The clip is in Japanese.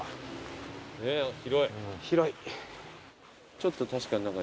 ちょっと確かに何か。